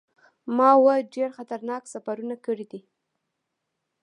ما اووه ډیر خطرناک سفرونه کړي دي.